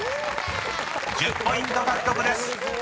［１０ポイント獲得です。